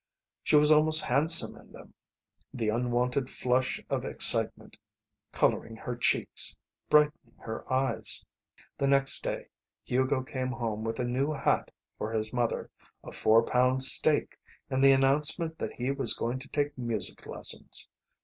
She was almost handsome in them, the unwonted flush of excitement colouring her cheeks, brightening her eyes. The next day Hugo came home with a new hat for his mother, a four pound steak, and the announcement that he was going to take music lessons.